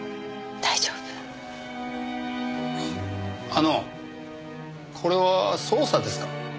あのこれは捜査ですか？